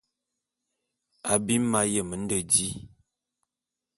Abim m'ayem nde di.